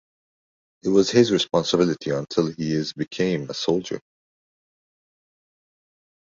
It was his responsibility until he is became a soldier.